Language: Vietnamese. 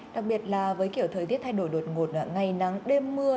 đặc biệt là với kiểu thời tiết thay đổi đột ngột ngày nắng đêm mưa